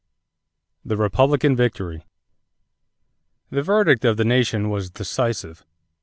=The Republican Victory.= The verdict of the nation was decisive.